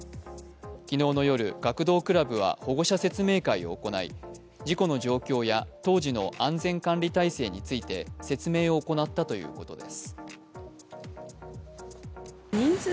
昨日の夜、学童クラブは保護者説明会を行い事故の状況や当時の安全管理体制について説明を行ったということです。